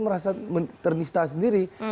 merasa ternista sendiri